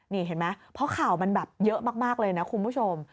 นี่เห็นไหมเพราะข่าวมันแบบเยอะมากเลยนะคุณผู้ชม